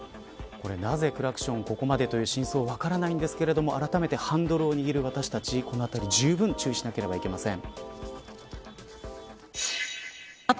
なぜ、クラクションをここまでという真相は分かりませんがあらためてハンドルを握る私たちこのあたりじゅうぶん注意しなければなりません。